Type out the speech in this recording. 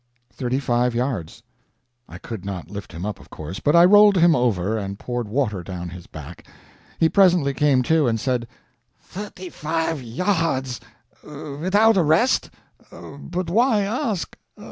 "Thirty five yards." ... I could not lift him up, of course; but I rolled him over, and poured water down his back. He presently came to, and said: "Thirty five yards without a rest? But why ask?